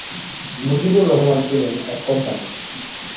মজিবুর রহমান ছিলেন এক কোম্পানি।